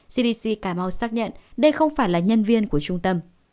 cdc cà mau xác nhận đây không phải là nhân viên của trung tâm